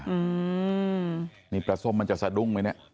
อืมมนี่ปลาสมมันจะสะดุ้มไหมนี้